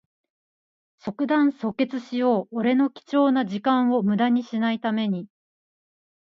即断即決しよう。俺の貴重な時間をむだにしない為に。